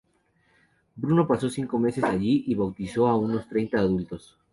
Bruno pasó cinco meses allí y bautizó a unos treinta adultos.